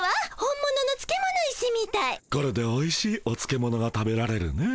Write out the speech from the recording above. これでおいしいおつけ物が食べられるね。